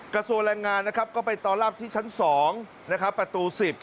กระทรวงแรงงานนะครับก็ไปต่อรับที่ชั้น๒นะครับประตู๑๐